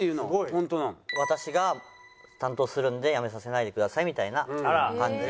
「私が担当するので辞めさせないでください」みたいな感じ。